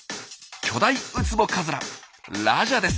巨大ウツボカズララジャです。